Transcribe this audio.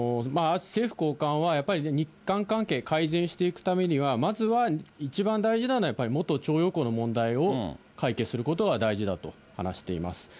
政府高官は、やっぱり、日韓関係改善していくためには、まずは一番大事なのはやっぱり元徴用工の問題を解決することが大事だと話しています。